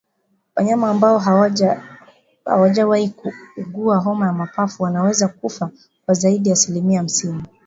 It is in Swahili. Wanyama ambao hawajawahi kuugua homa ya mapafu wanaweza kufa kwa zaidi ya asilimia hamsini